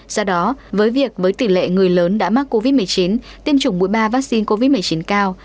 do đó với việc với tỷ lệ người lớn đã mắc covid một mươi chín tiêm chủng mũi ba vaccine covid một mươi chín cao